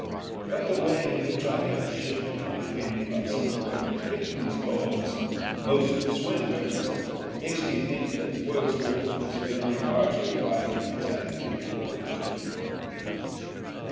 But the way in which I have shifted my opinion about some of Rud yard Kipling's poems, and most of Swinburne's, makes me think that Wordsworth was very largely right in his attitude toward the judgment of youth.